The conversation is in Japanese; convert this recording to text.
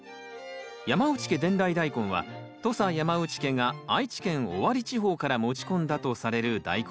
山内家伝来大根は土佐山内家が愛知県尾張地方から持ち込んだとされるダイコン。